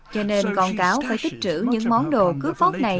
cho nên con cáo phải tích trữ những món đồ cướp vót này